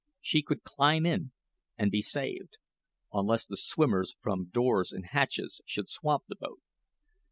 She could climb in and be saved unless the swimmers from doors and hatches should swamp the boat.